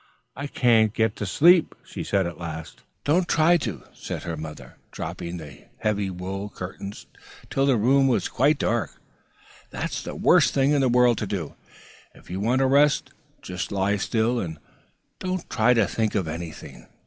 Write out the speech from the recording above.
"I can't get to sleep," she said at last. "Don't try to," said her mother, dropping the heavy wool curtains till the room was quite dark; "that's the worst thing in the world to do, if you want to rest. Just lie still and don't try to think of anything."